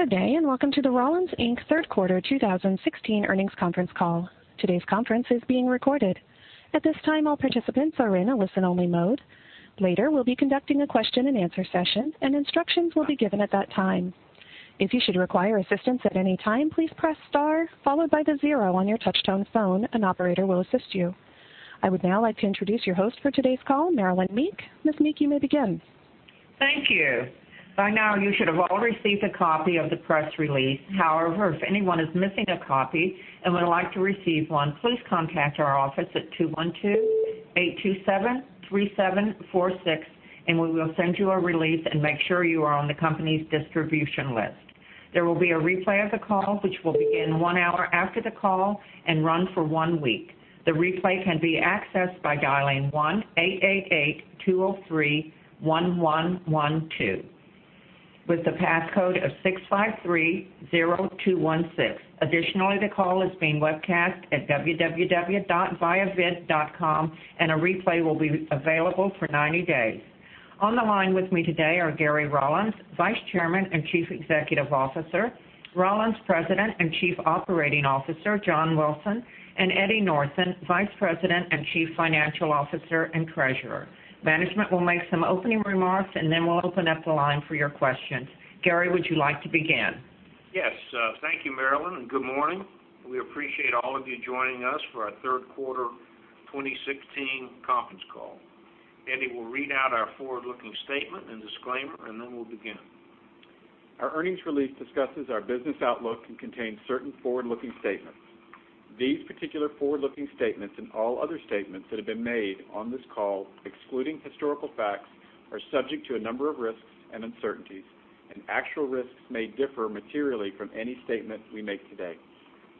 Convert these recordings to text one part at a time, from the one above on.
Good day, and welcome to the Rollins, Inc. third quarter 2016 earnings conference call. Today's conference is being recorded. At this time, all participants are in a listen-only mode. Later, we'll be conducting a question and answer session, and instructions will be given at that time. If you should require assistance at any time, please press star followed by the zero on your touch-tone phone. An operator will assist you. I would now like to introduce your host for today's call, Marilynn Meek. Ms. Meek, you may begin. Thank you. By now, you should have all received a copy of the press release. However, if anyone is missing a copy and would like to receive one, please contact our office at 212-827-3746, and we will send you a release and make sure you are on the company's distribution list. There will be a replay of the call, which will begin one hour after the call and run for one week. The replay can be accessed by dialing 1-888-203-1112 with the passcode of 6530216. The call is being webcast at www.viavid, and a replay will be available for 90 days. On the line with me today are Gary Rollins, Vice Chairman and Chief Executive Officer, Rollins President and Chief Operating Officer, John Wilson, and Eddie Northen, Vice President and Chief Financial Officer and Treasurer. Management will make some opening remarks. Then we'll open up the line for your questions. Gary, would you like to begin? Yes. Thank you, Marilynn. Good morning. We appreciate all of you joining us for our third quarter 2016 conference call. Eddie will read out our forward-looking statement and disclaimer. Then we'll begin. Our earnings release discusses our business outlook and contains certain forward-looking statements. These particular forward-looking statements and all other statements that have been made on this call, excluding historical facts, are subject to a number of risks and uncertainties, and actual risks may differ materially from any statement we make today.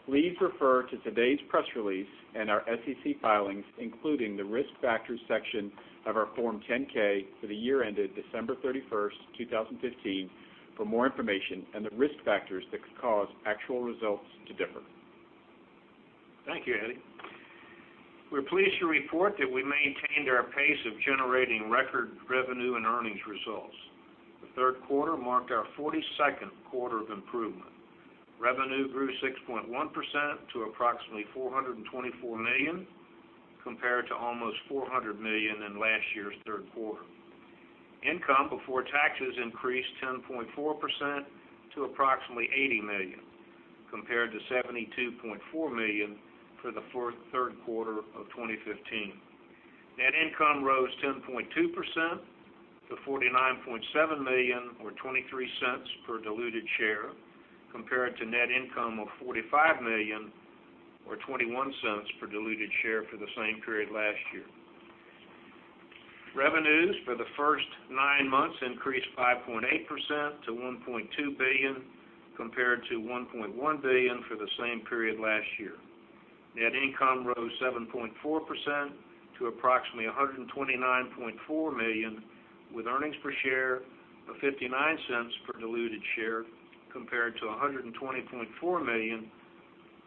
Please refer to today's press release and our SEC filings, including the Risk Factors section of our Form 10-K for the year ended December 31st, 2015, for more information on the risk factors that could cause actual results to differ. Thank you, Eddie. We're pleased to report that we maintained our pace of generating record revenue and earnings results. The third quarter marked our 42nd quarter of improvement. Revenue grew 6.1% to approximately $424 million, compared to almost $400 million in last year's third quarter. Income before taxes increased 10.4% to approximately $80 million, compared to $72.4 million for the third quarter of 2015. Net income rose 10.2% to $49.7 million or $0.23 per diluted share, compared to net income of $45 million or $0.21 per diluted share for the same period last year. Revenues for the first nine months increased 5.8% to $1.2 billion, compared to $1.1 billion for the same period last year. Net income rose 7.4% to approximately $129.4 million, with earnings per share of $0.59 per diluted share compared to $120.4 million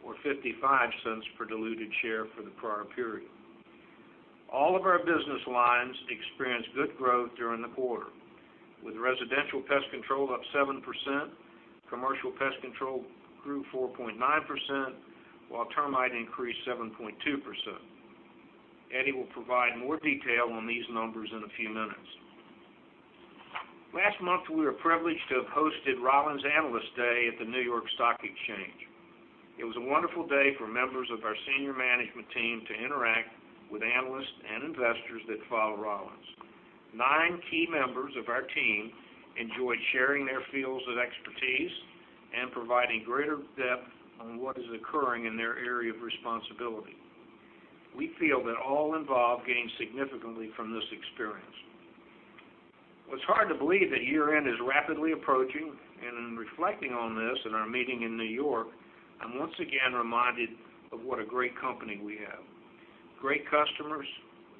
or $0.55 per diluted share for the prior period. All of our business lines experienced good growth during the quarter, with residential pest control up 7%, commercial pest control grew 4.9%, while termite increased 7.2%. Eddie will provide more detail on these numbers in a few minutes. Last month, we were privileged to have hosted Rollins Analyst Day at the New York Stock Exchange. It was a wonderful day for members of our senior management team to interact with analysts and investors that follow Rollins. Nine key members of our team enjoyed sharing their fields of expertise and providing greater depth on what is occurring in their area of responsibility. We feel that all involved gained significantly from this experience. Well, it's hard to believe that year-end is rapidly approaching. In reflecting on this in our meeting in N.Y., I'm once again reminded of what a great company we have, great customers,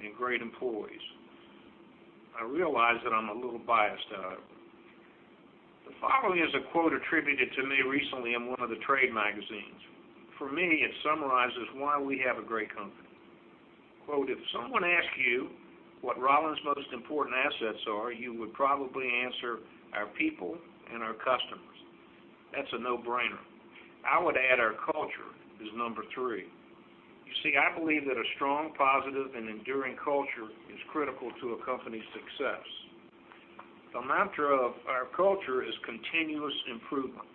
and great employees. I realize that I'm a little biased. The following is a quote attributed to me recently in one of the trade magazines. For me, it summarizes why we have a great company. Quote, "If someone asked you what Rollins' most important assets are, you would probably answer our people and our customers." That's a no-brainer. I would add our culture is number 3. You see, I believe that a strong, positive, and enduring culture is critical to a company's success. The mantra of our culture is continuous improvement.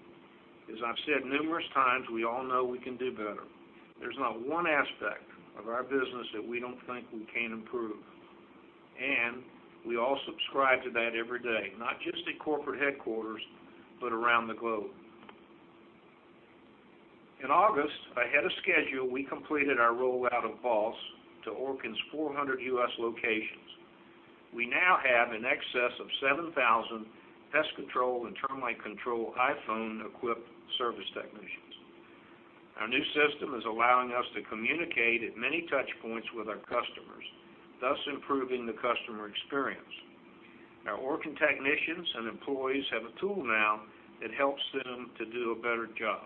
As I've said numerous times, we all know we can do better. There's not one aspect of our business that we don't think we can't improve, and we all subscribe to that every day, not just at corporate headquarters, but around the globe. In August, ahead of schedule, we completed our rollout of Pulse to Orkin's 400 U.S. locations. We now have in excess of 7,000 pest control and termite control iPhone-equipped service technicians. Our new system is allowing us to communicate at many touchpoints with our customers, thus improving the customer experience. Our Orkin technicians and employees have a tool now that helps them to do a better job.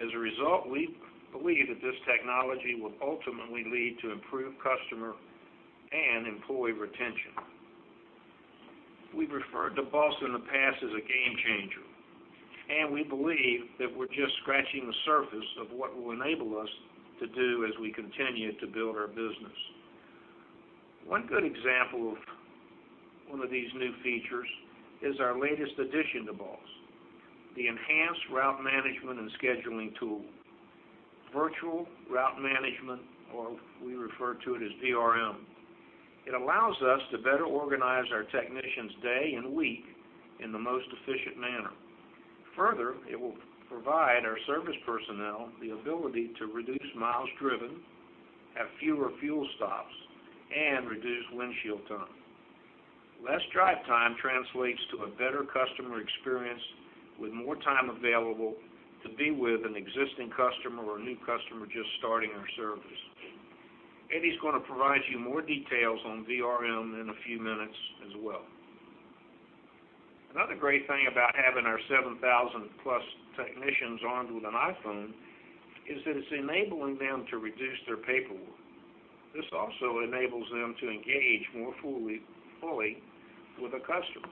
As a result, we believe that this technology will ultimately lead to improved customer and employee retention. We've referred to BOSS in the past as a game changer, and we believe that we're just scratching the surface of what it will enable us to do as we continue to build our business. One good example of one of these new features is our latest addition to BOSS, the enhanced route management and scheduling tool, Virtual Route Manager, or we refer to it as VRM. It allows us to better organize our technicians' day and week in the most efficient manner. Further, it will provide our service personnel the ability to reduce miles driven, have fewer fuel stops, and reduce windshield time. Less drive time translates to a better customer experience with more time available to be with an existing customer or a new customer just starting our service. Eddie's going to provide you more details on VRM in a few minutes as well. Another great thing about having our 7,000-plus technicians armed with an iPhone is that it's enabling them to reduce their paperwork. This also enables them to engage more fully with a customer.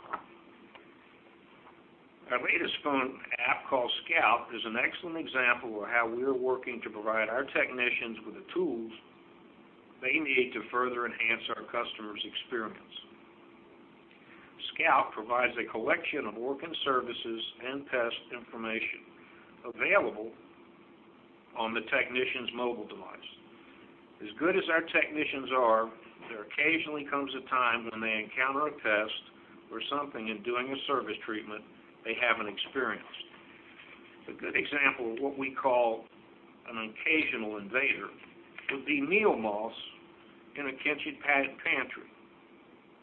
Our latest phone app, called Scout, is an excellent example of how we're working to provide our technicians with the tools they need to further enhance our customers' experience. Scout provides a collection of Orkin services and pest information available on the technician's mobile device. As good as our technicians are, there occasionally comes a time when they encounter a pest or something in doing a service treatment they haven't experienced. A good example of what we call an occasional invader would be meal moths in a kitchen pantry.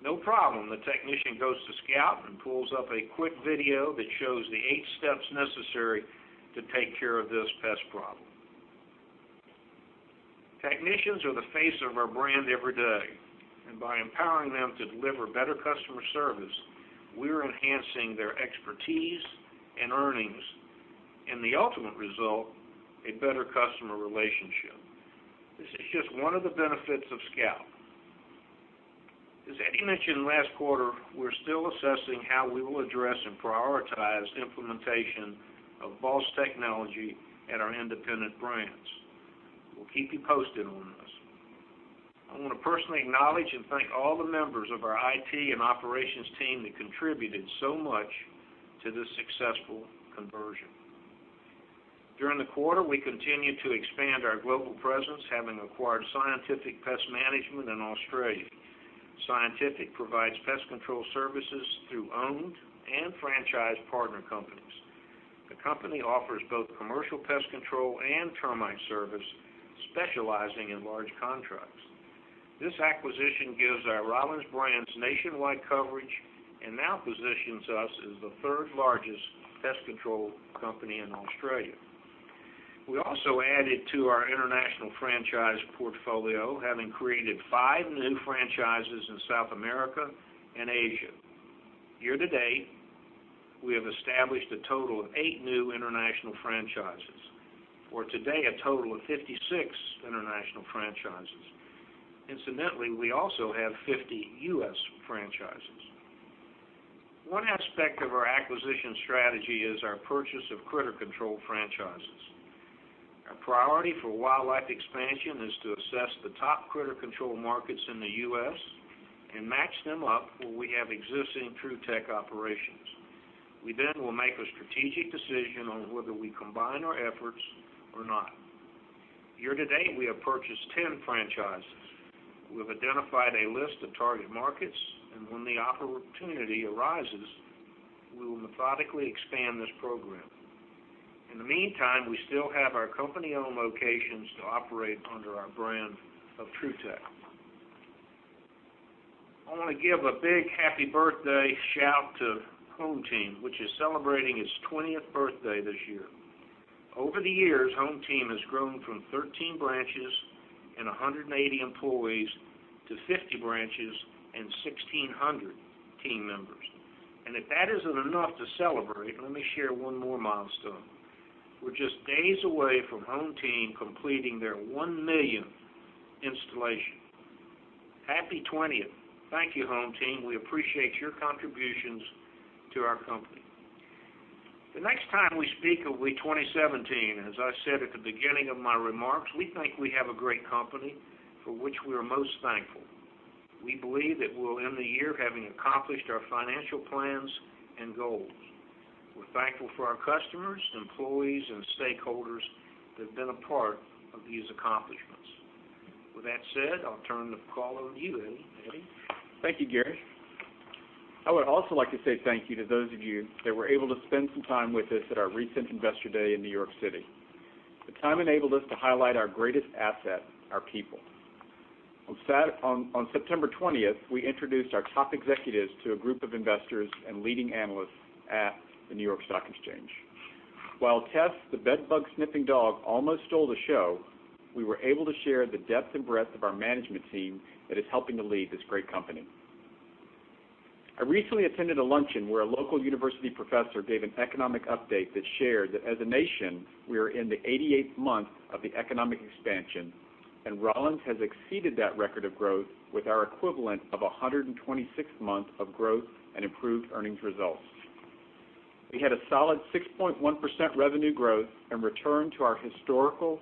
No problem. The technician goes to Scout and pulls up a quick video that shows the eight steps necessary to take care of this pest problem. Technicians are the face of our brand every day, and by empowering them to deliver better customer service, we're enhancing their expertise and earnings, and the ultimate result, a better customer relationship. This is just one of the benefits of Scout. As Eddie mentioned last quarter, we're still assessing how we will address and prioritize implementation of BOSS technology at our independent brands. We'll keep you posted on this. I want to personally acknowledge and thank all the members of our IT and operations team that contributed so much to this successful conversion. During the quarter, we continued to expand our global presence, having acquired Scientific Pest Management in Australia. Scientific provides pest control services through owned and franchise partner companies. The company offers both commercial pest control and termite service, specializing in large contracts. This acquisition gives our Rollins brands nationwide coverage and now positions us as the third-largest pest control company in Australia. We also added to our international franchise portfolio, having created five new franchises in South America and Asia. Year-to-date, we have established a total of eight new international franchises, for today, a total of 56 international franchises. Incidentally, we also have 50 U.S. franchises. One aspect of our acquisition strategy is our purchase of Critter Control franchises. Our priority for wildlife expansion is to assess the top Critter Control markets in the U.S. and match them up where we have existing Trutech operations. We then will make a strategic decision on whether we combine our efforts or not. Year-to-date, we have purchased 10 franchises. We have identified a list of target markets, and when the opportunity arises, we will methodically expand this program. In the meantime, we still have our company-owned locations to operate under our brand of Trutech. I want to give a big happy birthday shout to HomeTeam, which is celebrating its 20th birthday this year. Over the years, HomeTeam has grown from 13 branches and 180 employees to 50 branches and 1,600 team members. If that isn't enough to celebrate, let me share one more milestone. We're just days away from HomeTeam completing their 1 millionth installation. Happy 20th. Thank you, HomeTeam. We appreciate your contributions to our company. The next time we speak, it'll be 2017. As I said at the beginning of my remarks, we think we have a great company, for which we are most thankful. We believe that we'll end the year having accomplished our financial plans and goals. We're thankful for our customers, employees, and stakeholders that have been a part of these accomplishments. With that said, I'll turn the call over to you, Eddie. Eddie? Thank you, Gary. I would also like to say thank you to those of you that were able to spend some time with us at our recent Investor Day in New York City. The time enabled us to highlight our greatest asset, our people. On September 20th, we introduced our top executives to a group of investors and leading analysts at the New York Stock Exchange. While Tess, the bed bug-sniffing dog, almost stole the show, we were able to share the depth and breadth of our management team that is helping to lead this great company. I recently attended a luncheon where a local university professor gave an economic update that shared that as a nation, we are in the 88th month of the economic expansion, and Rollins has exceeded that record of growth with our equivalent of 126 months of growth and improved earnings results. We had a solid 6.1% revenue growth and return to our historical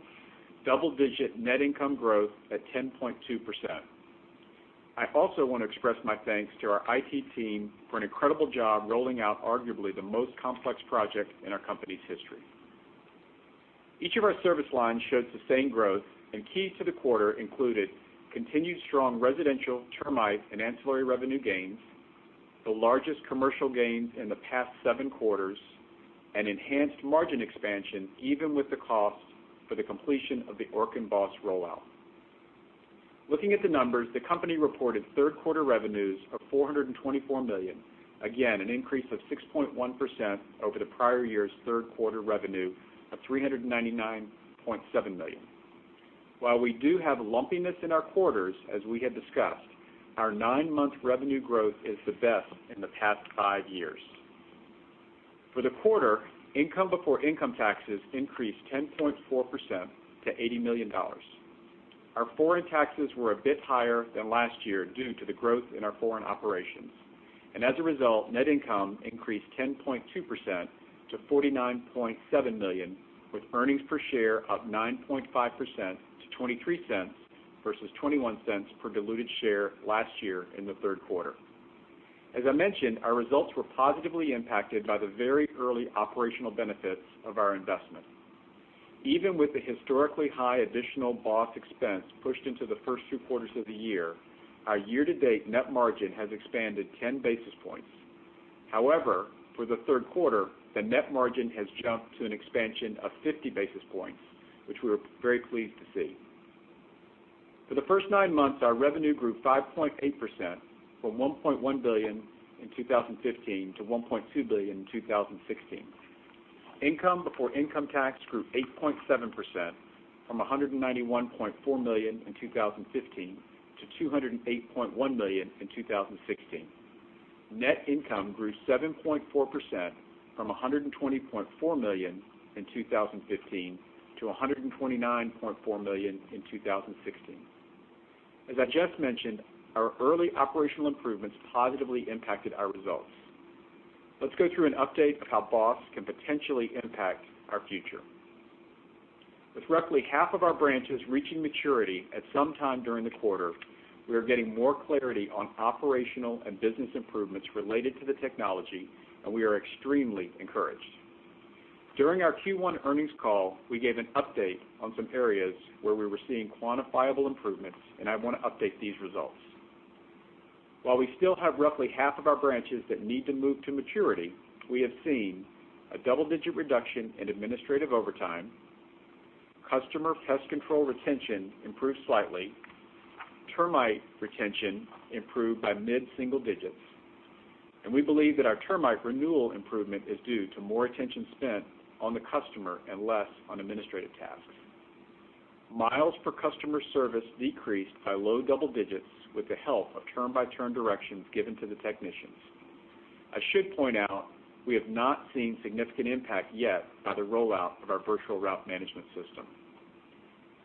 double-digit net income growth at 10.2%. I also want to express my thanks to our IT team for an incredible job rolling out arguably the most complex project in our company's history. Each of our service lines shows the same growth. Key to the quarter included continued strong residential termite and ancillary revenue gains, the largest commercial gains in the past seven quarters, and enhanced margin expansion even with the cost for the completion of the ORCA and BOSS rollout. Looking at the numbers, the company reported third-quarter revenues of $424 million. Again, an increase of 6.1% over the prior year's third-quarter revenue of $399.7 million. While we do have lumpiness in our quarters, as we had discussed, our nine-month revenue growth is the best in the past five years. For the quarter, income before income taxes increased 10.4% to $80 million. Our foreign taxes were a bit higher than last year due to the growth in our foreign operations. As a result, net income increased 10.2% to $49.7 million, with earnings per share up 9.5% to $0.23 versus $0.21 per diluted share last year in the third quarter. As I mentioned, our results were positively impacted by the very early operational benefits of our investment. Even with the historically high additional BOSS expense pushed into the first two quarters of the year, our year-to-date net margin has expanded 10 basis points. However, for the third quarter, the net margin has jumped to an expansion of 50 basis points, which we were very pleased to see. For the first nine months, our revenue grew 5.8%, from $1.1 billion in 2015 to $1.2 billion in 2016. Income before income tax grew 8.7%, from $191.4 million in 2015 to $208.1 million in 2016. Net income grew 7.4%, from $120.4 million in 2015 to $129.4 million in 2016. As I just mentioned, our early operational improvements positively impacted our results. Let's go through an update of how BOSS can potentially impact our future. With roughly half of our branches reaching maturity at some time during the quarter, we are getting more clarity on operational and business improvements related to the technology. We are extremely encouraged. During our Q1 earnings call, we gave an update on some areas where we were seeing quantifiable improvements. I want to update these results. While we still have roughly half of our branches that need to move to maturity, we have seen a double-digit reduction in administrative overtime, customer pest control retention improved slightly, termite retention improved by mid-single digits. We believe that our termite renewal improvement is due to more attention spent on the customer and less on administrative tasks. Miles per customer service decreased by low double digits with the help of turn-by-turn directions given to the technicians. I should point out we have not seen significant impact yet by the rollout of our virtual route management system.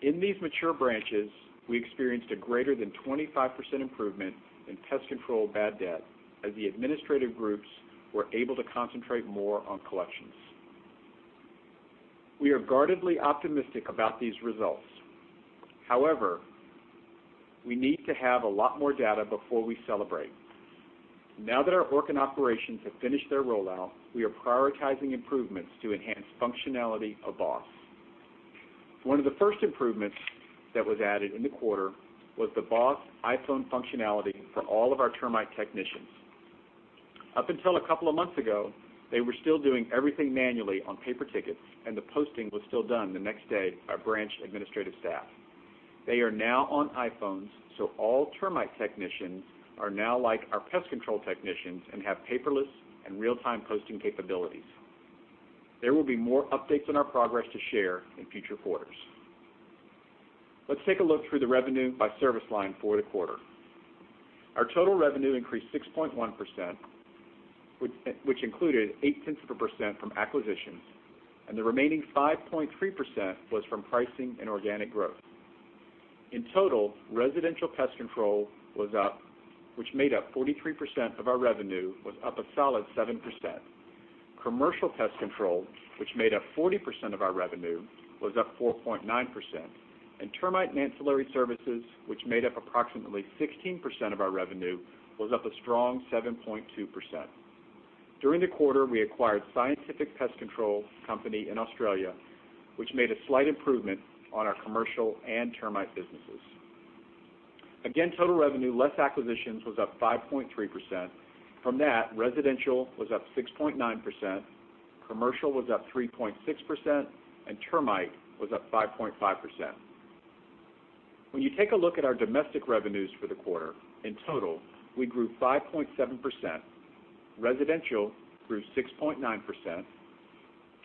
In these mature branches, we experienced a greater than 25% improvement in pest control bad debt as the administrative groups were able to concentrate more on collections. We are guardedly optimistic about these results. However, we need to have a lot more data before we celebrate. Now that our ORCA operations have finished their rollout, we are prioritizing improvements to enhance functionality of BOSS. One of the first improvements that was added in the quarter was the BOSS iPhone functionality for all of our termite technicians. Up until a couple of months ago, they were still doing everything manually on paper tickets. The posting was still done the next day by branch administrative staff. They are now on iPhones, all termite technicians are now like our pest control technicians and have paperless and real-time posting capabilities. There will be more updates on our progress to share in future quarters. Let's take a look through the revenue by service line for the quarter. Our total revenue increased 6.1%, which included eight tenths of a percent from acquisitions. The remaining 5.3% was from pricing and organic growth. In total, residential pest control, which made up 43% of our revenue, was up a solid 7%. Commercial pest control, which made up 40% of our revenue, was up 4.9%. Termite and ancillary services, which made up approximately 16% of our revenue, was up a strong 7.2%. During the quarter, we acquired Scientific Pest Management company in Australia, which made a slight improvement on our commercial and termite businesses. Total revenue, less acquisitions, was up 5.3%. From that, residential was up 6.9%, commercial was up 3.6%, and termite was up 5.5%. When you take a look at our domestic revenues for the quarter, in total, we grew 5.7%. Residential grew 6.9%.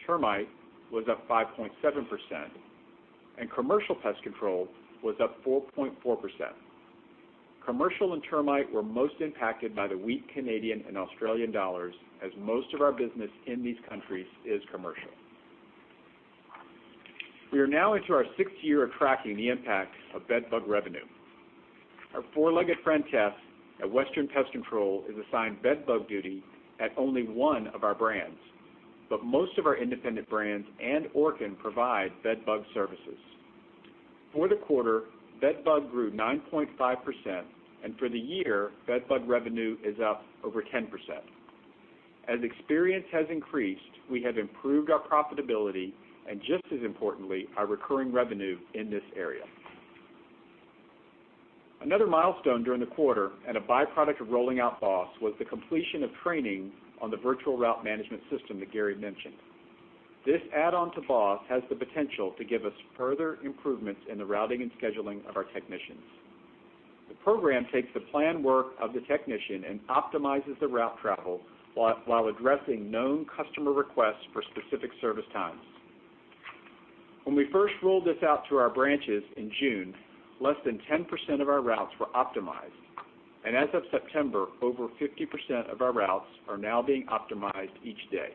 Termite was up 5.7%, and commercial pest control was up 4.4%. Commercial and termite were most impacted by the weak Canadian and Australian dollars, as most of our business in these countries is commercial. We are now into our 6th year of tracking the impact of bed bug revenue. Our four-legged friend, Tess, at Western Pest Services is assigned bed bug duty at only one of our brands, but most of our independent brands and Orkin provide bed bug services. For the quarter, bed bug grew 9.5%, and for the year, bed bug revenue is up over 10%. As experience has increased, we have improved our profitability and just as importantly, our recurring revenue in this area. Another milestone during the quarter and a byproduct of rolling out BOSS was the completion of training on the virtual route management system that Gary mentioned. This add-on to BOSS has the potential to give us further improvements in the routing and scheduling of our technicians. The program takes the planned work of the technician and optimizes the route travel while addressing known customer requests for specific service times. When we first rolled this out to our branches in June, less than 10% of our routes were optimized. As of September, over 50% of our routes are now being optimized each day.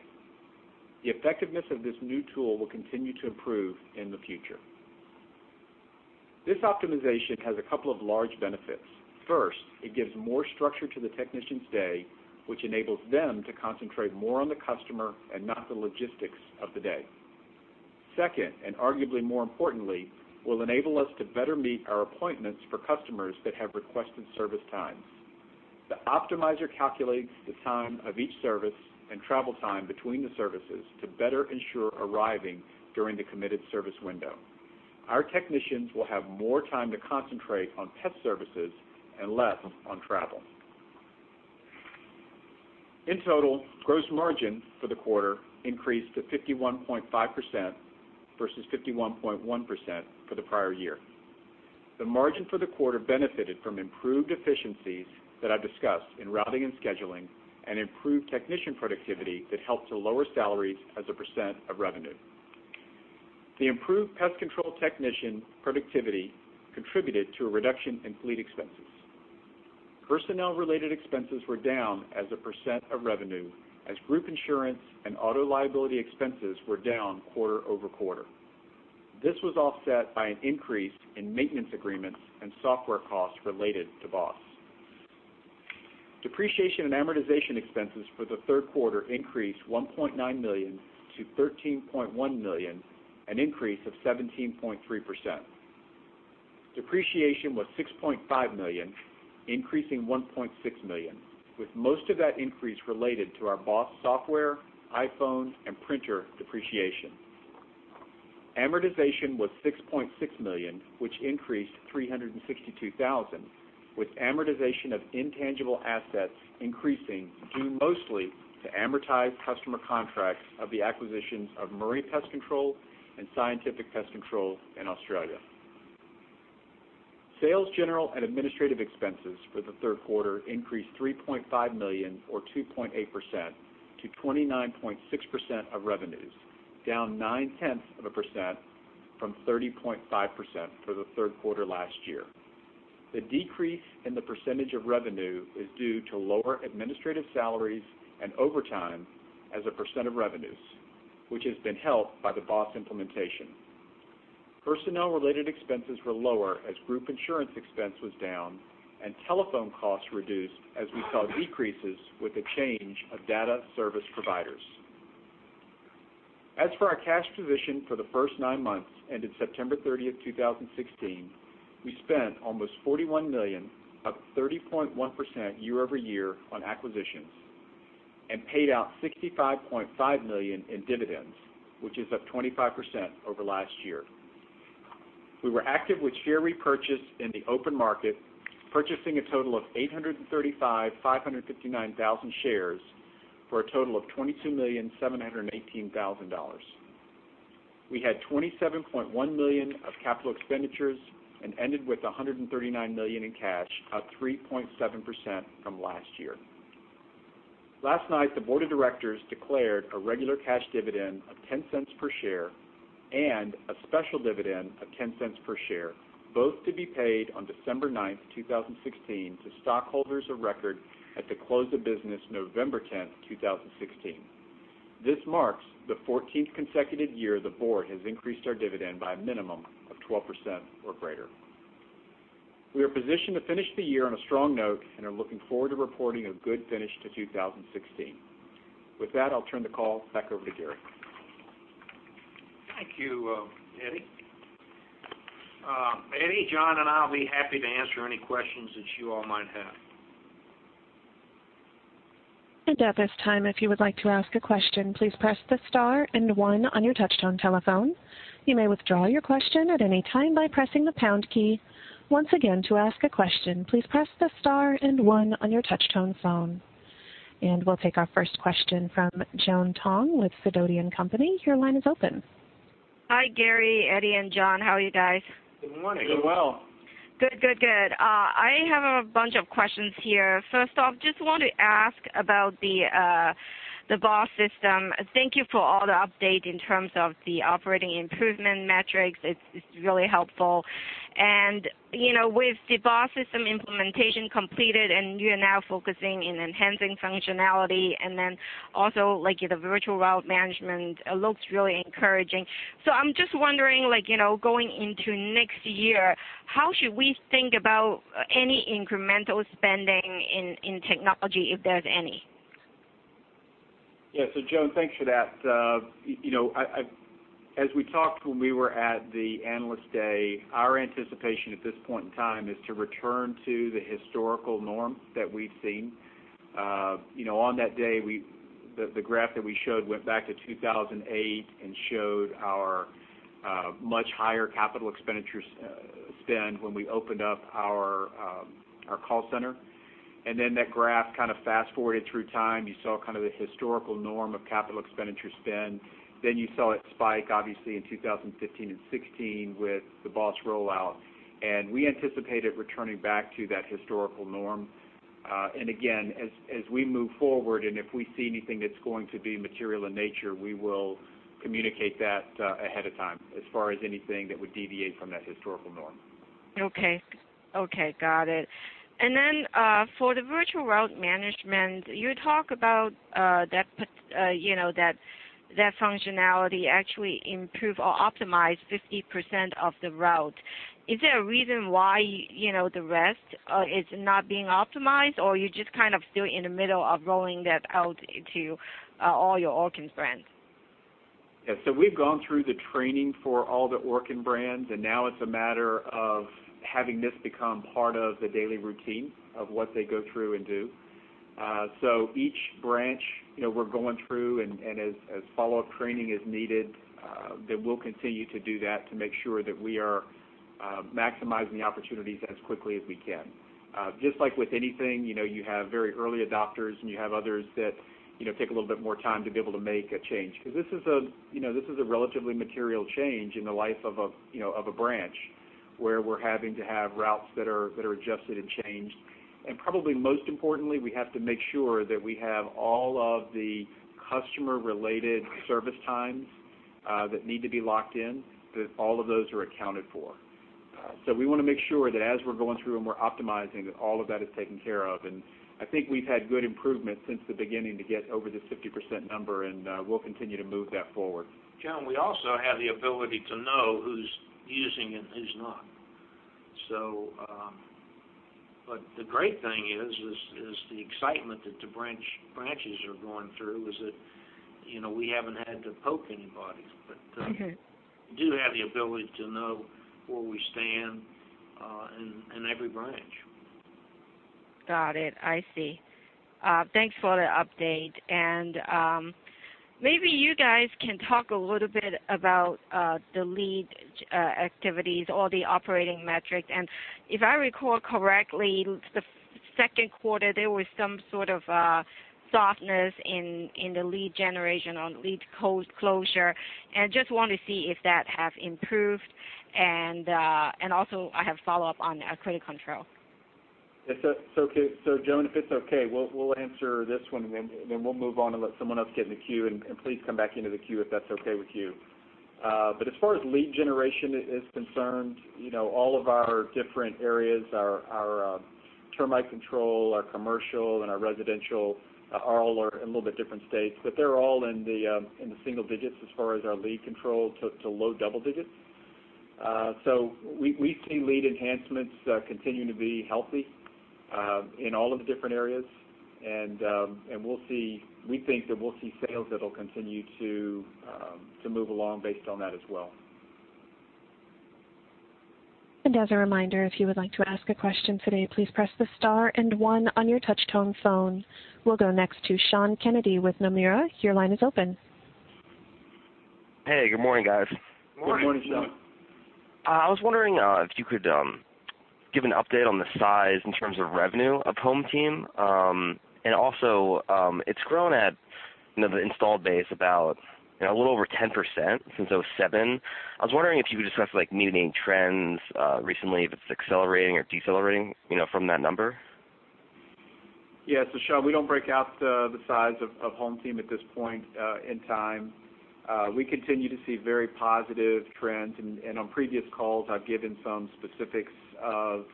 The effectiveness of this new tool will continue to improve in the future. This optimization has a couple of large benefits. First, it gives more structure to the technician's day, which enables them to concentrate more on the customer and not the logistics of the day. Second, and arguably more importantly, will enable us to better meet our appointments for customers that have requested service times. The optimizer calculates the time of each service and travel time between the services to better ensure arriving during the committed service window. Our technicians will have more time to concentrate on pest services and less on travel. In total, gross margin for the quarter increased to 51.5% versus 51.1% for the prior year. The margin for the quarter benefited from improved efficiencies that I've discussed in routing and scheduling and improved technician productivity that helped to lower salaries as a percent of revenue. The improved pest control technician productivity contributed to a reduction in fleet expenses. Personnel-related expenses were down as a percent of revenue as group insurance and auto liability expenses were down quarter-over-quarter. This was offset by an increase in maintenance agreements and software costs related to BOSS. Depreciation and amortization expenses for the third quarter increased $1.9 million to $13.1 million, an increase of 17.3%. Depreciation was $6.5 million, increasing $1.6 million, with most of that increase related to our BOSS software, iPhone, and printer depreciation. Amortization was $6.6 million, which increased $362,000, with amortization of intangible assets increasing due mostly to amortized customer contracts of the acquisitions of Murray Pest Control and Scientific Pest Management in Australia. Sales general and administrative expenses for the third quarter increased $3.5 million or 2.8% to 29.6% of revenues, down 0.9% from 30.5% for the third quarter last year. The decrease in the percentage of revenue is due to lower administrative salaries and overtime as a percent of revenues, which has been helped by the BOSS implementation. Personnel-related expenses were lower as group insurance expense was down and telephone costs reduced as we saw decreases with the change of data service providers. For our cash position for the first nine months ended September 30th, 2016, we spent almost $41 million, up 30.1% year-over-year on acquisitions and paid out $65.5 million in dividends, which is up 25% over last year. We were active with share repurchase in the open market, purchasing a total of 835,559 shares for a total of $22,718,000. We had $27.1 million of capital expenditures and ended with $139 million in cash, up 3.7% from last year. Last night, the board of directors declared a regular cash dividend of $0.10 per share and a special dividend of $0.10 per share, both to be paid on December 9th, 2016 to stockholders of record at the close of business November 10th, 2016. This marks the 14th consecutive year the board has increased our dividend by a minimum of 12% or greater. We are positioned to finish the year on a strong note and are looking forward to reporting a good finish to 2016. With that, I'll turn the call back over to Gary. Thank you, Eddie. Eddie, John, I'll be happy to answer any questions that you all might have. At this time, if you would like to ask a question, please press the star and one on your touch-tone telephone. You may withdraw your question at any time by pressing the pound key. Once again, to ask a question, please press the star and one on your touch-tone phone. We'll take our first question from Joan Tong with Sidoti & Company. Your line is open. Hi, Gary, Eddie, and John. How are you guys? Good morning. Doing well. Good. I have a bunch of questions here. First off, just want to ask about the BOSS system. Thank you for all the update in terms of the operating improvement metrics. It is really helpful. With the BOSS system implementation completed, you are now focusing in enhancing functionality. Also, the virtual route management looks really encouraging. I am just wondering, going into next year, how should we think about any incremental spending in technology, if there is any? Yeah. Joan, thanks for that. As we talked when we were at the Analyst Day, our anticipation at this point in time is to return to the historical norm that we have seen. On that day, the graph that we showed went back to 2008 and showed our much higher capital expenditures spend when we opened up our call center. That graph kind of fast-forwarded through time. You saw a historical norm of capital expenditure spend. You saw it spike, obviously, in 2015 and 2016 with the BOSS rollout. We anticipate it returning back to that historical norm. Again, as we move forward, if we see anything that is going to be material in nature, we will communicate that ahead of time, as far as anything that would deviate from that historical norm. Okay. Got it. For the virtual route management, you talk about that functionality actually improve or optimize 50% of the route. Is there a reason why the rest is not being optimized, or you are just kind of still in the middle of rolling that out to all your Orkin brands? Yeah. We have gone through the training for all the Orkin brands, and now it is a matter of having this become part of the daily routine of what they go through and do. Each branch, we are going through, and as follow-up training is needed, we will continue to do that to make sure that we are maximizing the opportunities as quickly as we can. Just like with anything, you have very early adopters, and you have others that take a little bit more time to be able to make a change. Because this is a relatively material change in the life of a branch, where we are having to have routes that are adjusted and changed. Probably most importantly, we have to make sure that we have all of the customer-related service times that need to be locked in, that all of those are accounted for. We want to make sure that as we're going through and we're optimizing, that all of that is taken care of. I think we've had good improvement since the beginning to get over the 50% number, and we'll continue to move that forward. Joan, we also have the ability to know who's using and who's not. The great thing is the excitement that the branches are going through is that we haven't had to poke anybody. Okay. We do have the ability to know where we stand in every branch. Got it. I see. Thanks for the update. Maybe you guys can talk a little bit about the lead activities or the operating metrics. If I recall correctly, the second quarter, there was some sort of softness in the lead generation on lead closure. Just want to see if that have improved. Also, I have follow-up on Critter Control. Joan, if it's okay, we'll answer this one, then we'll move on and let someone else get in the queue. Please come back into the queue if that's okay with you. As far as lead generation is concerned, all of our different areas, our termite control, our commercial, and our residential, all are in a little bit different states, they're all in the single digits as far as our lead control to low double digits. We see lead enhancements continuing to be healthy in all of the different areas. We think that we'll see sales that'll continue to move along based on that as well. As a reminder, if you would like to ask a question today, please press the star and one on your touch-tone phone. We'll go next to Sean Kennedy with Nomura. Your line is open. Hey, good morning, guys. Morning. Good morning, Sean. I was wondering if you could give an update on the size in terms of revenue of HomeTeam. Also, it's grown at the installed base about a little over 10% since 2007. I was wondering if you could discuss like new trends recently, if it's accelerating or decelerating, from that number. Yeah. Sean, we don't break out the size of HomeTeam at this point in time. We continue to see very positive trends. On previous calls, I've given some specifics of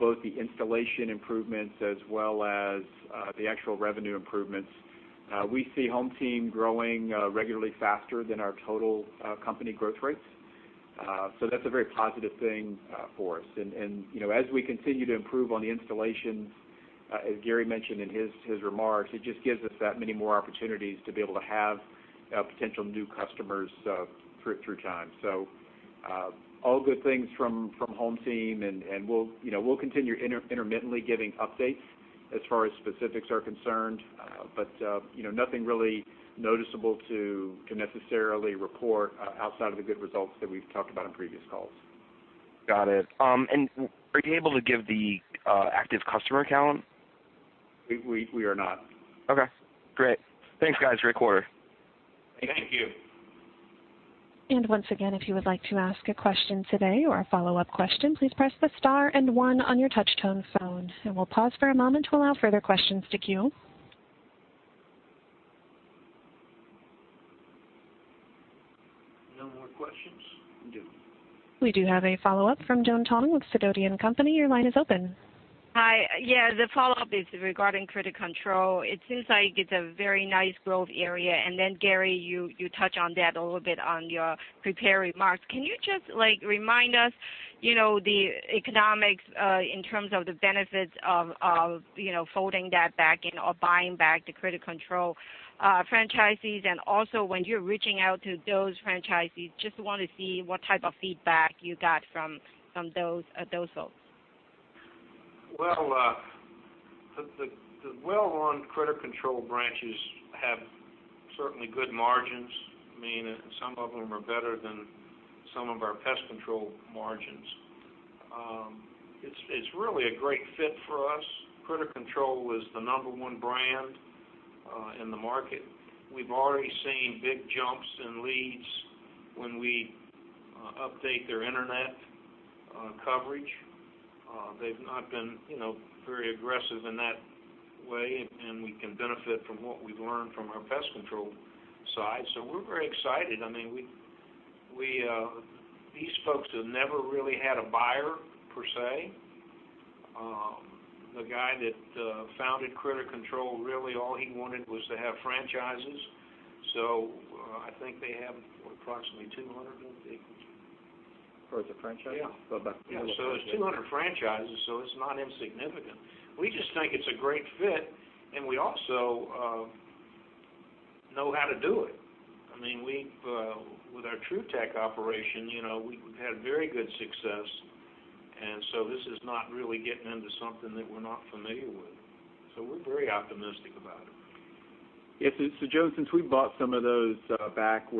both the installation improvements as well as the actual revenue improvements. We see HomeTeam growing regularly faster than our total company growth rates. That's a very positive thing for us. As we continue to improve on the installations, as Gary mentioned in his remarks, it just gives us that many more opportunities to be able to have potential new customers through time. All good things from HomeTeam, and we'll continue intermittently giving updates as far as specifics are concerned. Nothing really noticeable to necessarily report outside of the good results that we've talked about on previous calls. Got it. Are you able to give the active customer count? We are not. Okay, great. Thanks, guys. [inaudible] Thank you. Once again, if you would like to ask a question today or a follow-up question, please press the star and one on your touch-tone phone. We'll pause for a moment to allow further questions to queue. No more questions? We do. We do have a follow-up from Joan Tong with Sidoti & Company. Your line is open. Hi. Yeah, the follow-up is regarding Critter Control. It seems like it's a very nice growth area. Gary, you touch on that a little bit in your prepared remarks. Can you just remind us the economics in terms of the benefits of folding that back in or buying back the Critter Control franchises? When you're reaching out to those franchisees, just want to see what type of feedback you got from those folks. Well, the well-run Critter Control branches have certainly good margins. Some of them are better than some of our pest control margins. It's really a great fit for us. Critter Control is the number 1 brand in the market. We've already seen big jumps in leads when we update their internet coverage. They've not been very aggressive in that way, and we can benefit from what we've learned from our pest control side. We're very excited. These folks have never really had a buyer, per se. The guy that founded Critter Control, really all he wanted was to have franchises. I think they have approximately 200, won't they? As far as the franchises? Yeah. It's 200 franchises, so it's not insignificant. We just think it's a great fit, and we also know how to do it. With our Trutech operations, we've had very good success. This is not really getting into something that we're not familiar with. We're very optimistic about it. Yes. Joan, since we bought some of those back,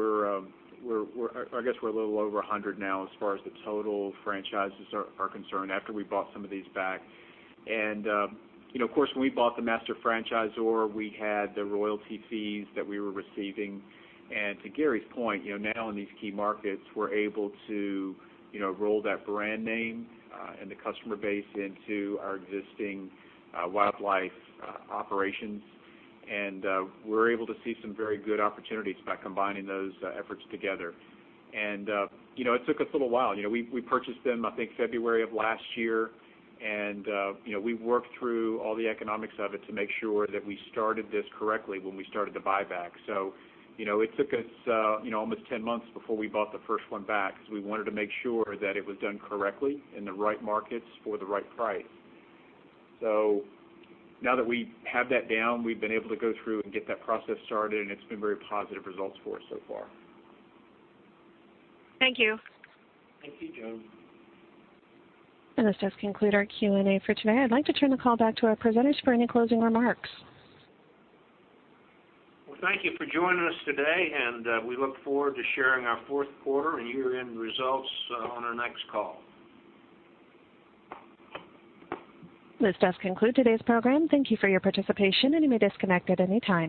I guess we're a little over 100 now as far as the total franchises are concerned after we bought some of these back. Of course, when we bought the master franchisor, we had the royalty fees that we were receiving. To Gary's point, now in these key markets, we're able to roll that brand name and the customer base into our existing wildlife operations. We're able to see some very good opportunities by combining those efforts together. It took us a little while. We purchased them, I think, February of last year, and we worked through all the economics of it to make sure that we started this correctly when we started the buyback. It took us almost 10 months before we bought the first one back because we wanted to make sure that it was done correctly in the right markets for the right price. Now that we have that down, we've been able to go through and get that process started, and it's been very positive results for us so far. Thank you. Thank you, Joan. This does conclude our Q&A for today. I'd like to turn the call back to our presenters for any closing remarks. Well, thank you for joining us today, and we look forward to sharing our fourth quarter and year-end results on our next call. This does conclude today's program. Thank you for your participation, and you may disconnect at any time.